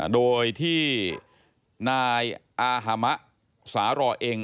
โดยที่นายอาฮามะสารอเอง